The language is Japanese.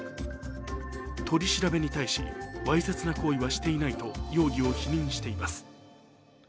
取り調べに対しわいせつな行為はしていないと容疑を否認しています。